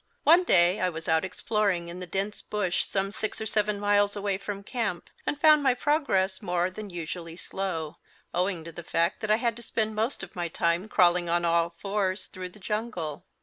One day I was out exploring in the dense bush some six or seven miles away from camp, and found my progress more than usually slow, owing to the fact that I had to spend most of my time crawling on all fours through the jungle.